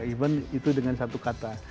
even itu dengan satu kata